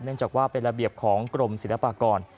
จากว่าเป็นระเบียบของกรมศิลปากร